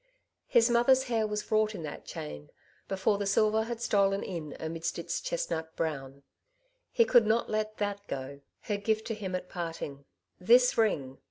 His mother's hair was wrought in that chain, before the silver had stolen in amidst its chestnut brown. He coald not let ihai go ; her gift to him at parting. This ring